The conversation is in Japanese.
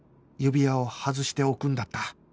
指輪を外しておくんだった